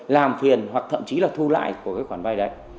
làm phiền hoặc thậm chí là thu lại của cái khoản vay đấy